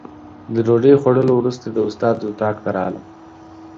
د ډوډۍ خوړلو وروسته د استاد اتاق ته راغلم.